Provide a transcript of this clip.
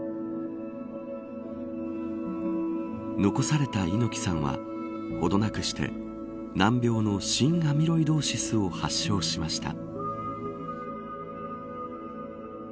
残された猪木さんはほどなくして難病の、心アミロイドーシスを発症しました。